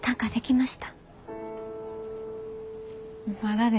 まだです。